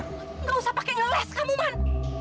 tidak usah pakai ngeles kamu man